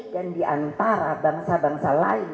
dan diantara bangsa bangsa lain